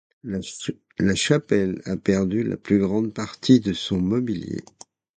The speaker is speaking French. La chapelle a perdu la plus grande partie de son mobilier.